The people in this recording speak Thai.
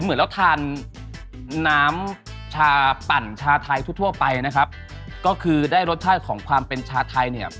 เหมือนเราทานน้ำชาปั่นชาไทยทั่วทั่วไปนะครับก็คือได้รสชาติของความเป็นชาไทยเนี่ย